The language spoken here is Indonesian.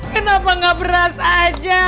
kenapa gak beras aja